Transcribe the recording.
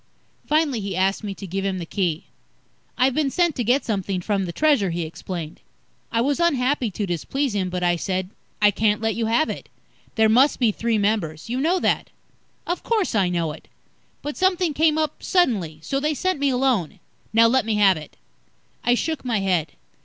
Finally, he asked me to give him the Key. "I've been sent to get something from the Treasure," he explained. I was unhappy to displease him, but I said, "I can't let you have it. There must be three members. You know that." "Of course, I know it. But something came up suddenly, so they sent me alone. Now, let me have it." I shook my head.